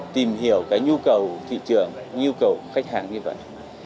tìm hiểu cái nhu cầu thị trường nhu cầu của khách hàng như vậy